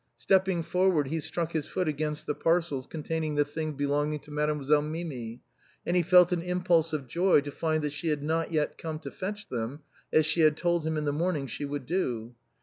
Stepping forward he struck his foot against the parcels containing the things belonging to Mademoiselle Mimi, and he felt an impulse of joy to find that she had not yet come to fetch them as she had told him in the morning she would do.